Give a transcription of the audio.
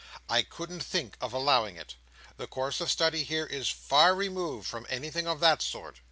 "I couldn't think of allowing it. The course of study here, is very far removed from anything of that sort.